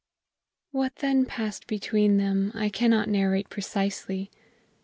What then passed between them I cannot narrate precisely.